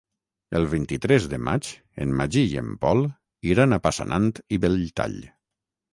El vint-i-tres de maig en Magí i en Pol iran a Passanant i Belltall.